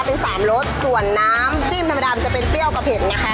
เป็นสามรสส่วนน้ำจิ้มธรรมดามันจะเป็นเปรี้ยวกับเผ็ดนะคะ